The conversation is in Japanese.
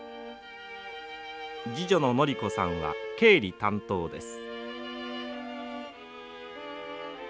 次女の法子さんは経理担当です。